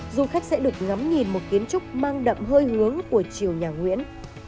du khách sẽ được ngắm nhìn một kiến trúc mang đậm hơi hướng của chiều nhà nguyễn